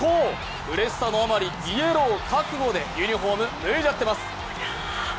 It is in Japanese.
うれしさの余りイエロー覚悟でユニフォーム脱いじゃってます。